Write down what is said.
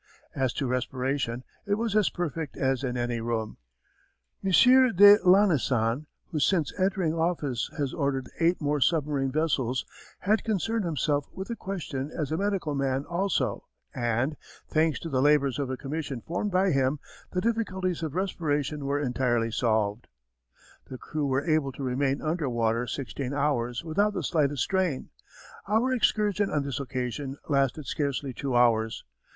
As to respiration, it was as perfect as in any room. M. de Lanessan, who since entering office has ordered eight more submarine vessels, had concerned himself with the question as a medical man also, and, thanks to the labours of a commission formed by him, the difficulties of respiration were entirely solved. The crew were able to remain under water sixteen hours without the slightest strain. Our excursion on this occasion lasted scarcely two hours.